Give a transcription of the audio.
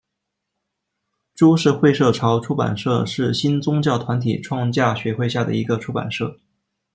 株式会社潮出版社是新宗教团体创价学会下的一个出版社。